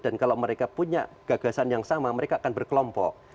dan kalau mereka punya gagasan yang sama mereka akan berkelompok